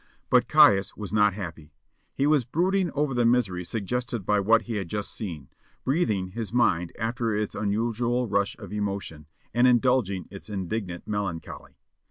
But Caius was not happy; he was brooding over the misery suggested by what he had just seen, breathing his mind after its unusual rush of emotion, and indulging its indignant melancholy.